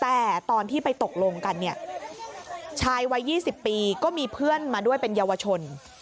แต่ตอนที่ไปตกลงกันเนี่ยชายวัย๒๐ปีก็มีเพื่อนมาด้วยเป็นเยาวชน